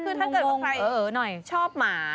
ถ้าเกิดใครชอบหมา